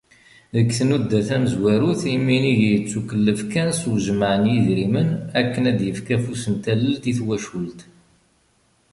Deg tnudda tamezwarut, iminig yettukellef kan s ujmaε n yidrimen akken ad d-yefk afus n tallelt i twacult.